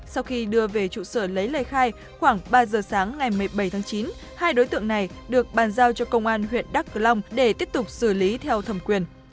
sau khi đưa về trụ sở lấy lời khai khoảng ba giờ sáng ngày một mươi bảy tháng chín hai đối tượng này được bàn giao cho công an huyện đắk long để tiếp tục xử lý theo thẩm quyền